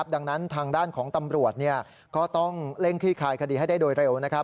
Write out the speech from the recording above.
ดังนั้นทางด้านของตำรวจก็ต้องเร่งคลี่คายคดีให้ได้โดยเร็ว